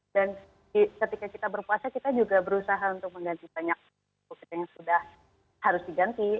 ketika kita berpuasa kita juga berusaha untuk mengganti banyak yang sudah harus diganti